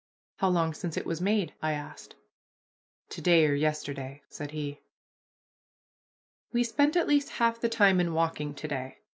"How long since it was made?" I asked. "To day or yesterday," said he. We spent at least half the time in walking to day.